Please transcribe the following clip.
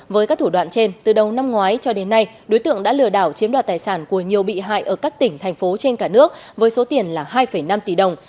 với các thủ đoạn trên từ đầu năm ngoái cho đến nay đối tượng đã lừa đảo chiếm đoạt tài sản của nhiều bị hại ở các tỉnh thành phố trên cả nước với số tiền là hai năm tỷ đồng